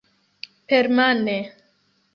Permane!